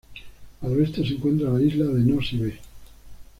Al oeste se encuentra la isla de Nosy Be.